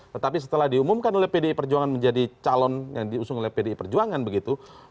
tetapi setelah diumumkan oleh pdi perjuangan menjadi calon yang diusung oleh pdi perjuangan begitu